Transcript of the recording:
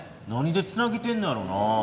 何でつなげてんのやろうな？